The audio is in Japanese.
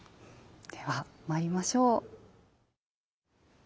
では参りましょう。